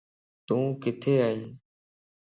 تو ڪٿي ائي؟